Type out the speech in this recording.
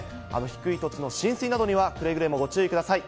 低い土地の浸水などにはくれぐれもご注意ください。